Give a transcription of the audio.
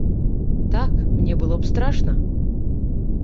Так, мне было б страшна!